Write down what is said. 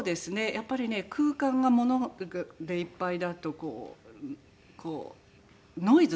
やっぱりね空間が物でいっぱいだとこうノイズっていうのかな？